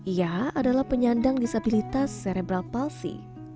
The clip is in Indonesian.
ia adalah penyandang disabilitas serebral palsi